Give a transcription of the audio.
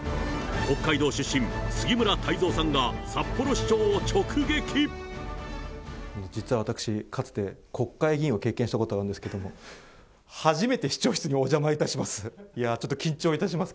北海道出身、実は私、かつて、国会議員を経験したことがあるんですけど、初めて市長室にお邪魔いたします。